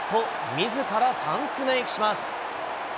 みずからチャンスメークします。